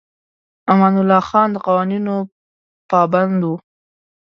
امان الله خان د قوانینو پابند و.